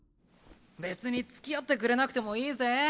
別につきあってくれなくてもいいぜ。